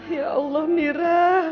ya allah mira